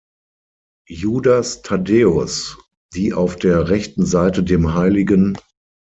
Judas Thaddäus, die auf der rechten Seite dem hl.